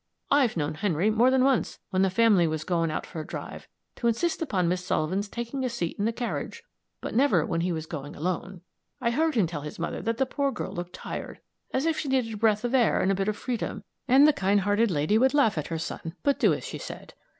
I've known Henry more than once, when the family was going out for a drive, to insist upon Miss Sullivan's taking a seat in the carriage but never when he was going alone. I heard him tell his mother that the poor girl looked tired, as if she needed a breath of air and a bit of freedom, and the kind hearted lady would laugh at her son, but do as he said.